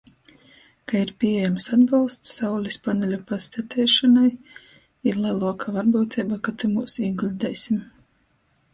Ka ir pīejams atbolsts saulis paneļu pastateišonai, ir leluoka varbyuteiba, ka tymūs īguļdeisim.